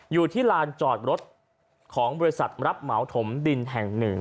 อยู่ที่ลานจอดรถของบริษัทรับเหมาถมดินแห่งหนึ่ง